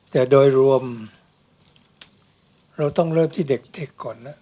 แต่โดยรวมเราต้องเริ่มที่เด็กก่อนนะ